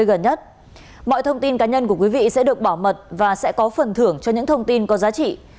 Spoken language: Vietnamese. gần nhất mọi thông tin cá nhân của quý vị sẽ được bảo mật và sẽ có phần thưởng cho những thông tin có giá trị